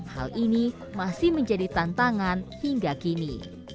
hal ini masih menjadi tantangan hingga kini